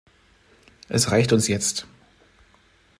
Es reicht uns jetzt.